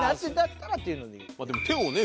でも手をね